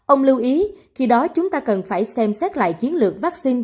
ông lưu ý khi đó chúng ta cần phải xem xét lại chiến lược vaccine